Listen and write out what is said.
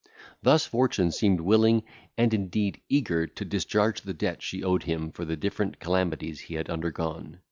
Thus fortune seemed willing, and indeed eager to discharge the debt she owed him for the different calamities he had undergone.